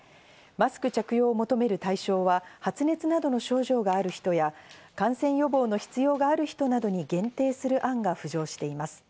マスク着用を求める対象は発熱などの症状がある人や感染予防の必要がある人などに限定する案が浮上しています。